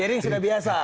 jering sudah biasa